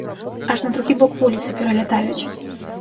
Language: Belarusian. Аж на другі бок вуліцы пералятаюць.